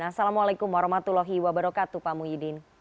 assalamualaikum warahmatullahi wabarakatuh pak muhyiddin